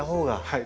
はい。